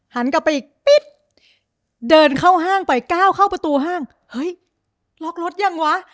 หันกลับไปอีกปิ๊บเดินเข้าห้างไปก้าวเข้าประตูห้างเฮ้ยล็อกรถยังวะ